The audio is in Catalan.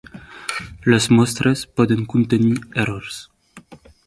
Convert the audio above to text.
Les mostres poden contenir errors.